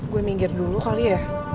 gue minggir dulu kali ya